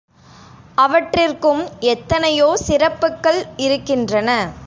அவற்றிற்கும் எத்தனையோ சிறப்புக்கள் இருக்கின்றன.